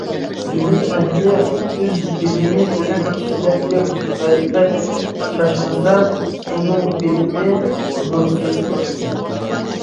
بىلىم ئەھلى ئۆز بىلىمى بىلەن كىشىلەرگە مەرىپەت چاچمىسا، ئۇنىڭ بىلىمى نۇرسىز قالىدۇ.